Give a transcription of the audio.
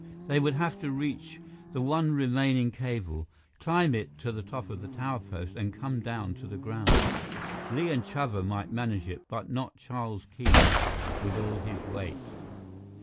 They would have to reach the one remaining cable, climb it to the top of the tower post and come down to the ground. Li and Chuba might manage it; but not Charles Keene, with all his weight.